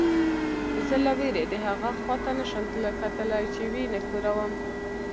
زه له وېرې دهغه خوا ته نه شم کتلی چې ویې نه ښوروم.